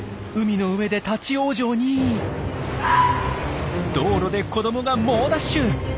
海の上で立ち往生に道路で子どもが猛ダッシュ！